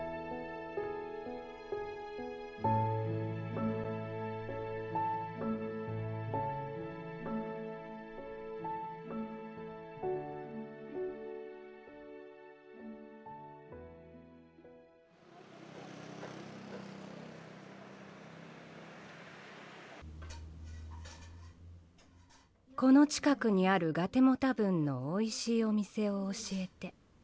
この近くにあるガテモタブンのおいしいお店を教えて。